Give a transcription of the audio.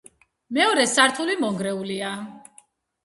მეორე სართული მონგრეულია.